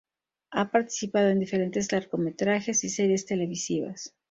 Ha participado en diferentes largometrajes y series televisivas.